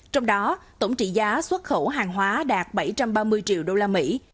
trong đó tổng trị giá xuất khẩu hàng hóa đạt bảy trăm ba mươi triệu đô la mỹ